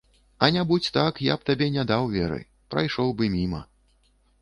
А не будзь так, я б табе не даў веры, прайшоў бы міма.